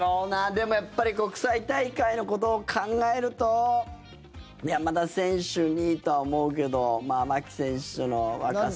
でもやっぱり国際大会のことを考えると山田選手にとは思うけど牧選手の若さ。